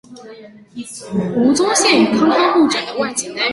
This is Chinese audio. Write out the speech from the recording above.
吴宗宪与康康互整的外景单元。